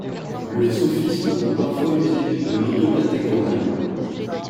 Le sophisme peut parfois user de l'autocatégorème.